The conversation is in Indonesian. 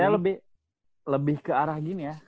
saya lebih ke arah gini ya